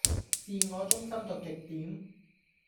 自我中心到極點